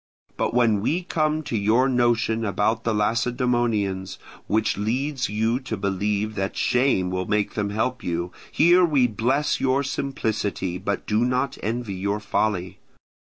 But when we come to your notion about the Lacedaemonians, which leads you to believe that shame will make them help you, here we bless your simplicity but do not envy your folly.